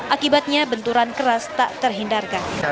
akibatnya benturan keras tak terhindarkan